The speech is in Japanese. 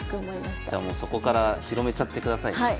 じゃあもうそこから広めちゃってください。